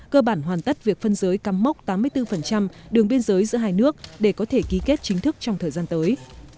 cơ bản hoàn tất việc phân giới cắm mốc tám mươi bốn đường biên giới giữa hai nước để có thể ký kết chính thức trong thời gian tới